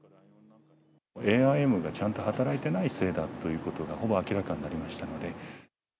ＡＩＭがちゃんと働いていないせいだというのが、ほぼ明らかになりましたので。